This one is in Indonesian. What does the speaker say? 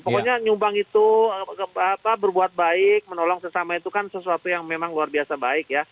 pokoknya nyumbang itu berbuat baik menolong sesama itu kan sesuatu yang memang luar biasa baik ya